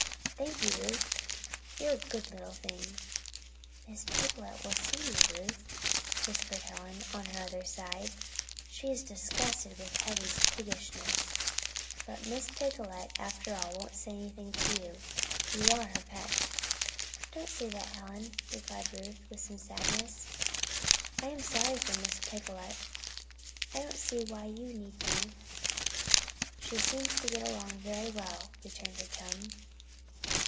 Thank you, Ruth! You're a good little thing." "Miss Picolet will see you, Ruth," whispered Helen, on her other side. "She is disgusted with Heavy's piggishness. But Miss Picolet, after all, won't say anything to you. You are her pet." "Don't say that, Helen," replied Ruth, with some sadness. "I am sorry for Miss Picolet." "I don't see why you need be. She seems to get along very well," returned her chum.